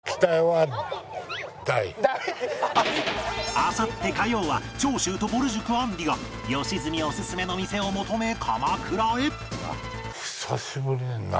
あさって火曜は長州とぼる塾あんりが良純オススメの店を求め鎌倉へ